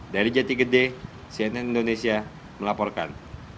dari jati gede cnn indonesia melaporkan